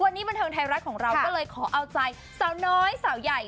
วันนี้บันเทิงไทยรัฐของเราก็เลยขอเอาใจสาวน้อยสาวใหญ่